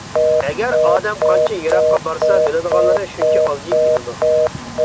ئەگەر ئادەم قانچە يىراققا بارسا، بىلىدىغانلىرى شۇنچە ئازىيىپ كېتىدۇ.